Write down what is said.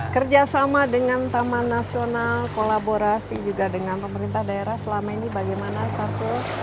kerjasama dengan taman nasional kolaborasi juga dengan pemerintah daerah selama ini bagaimana satu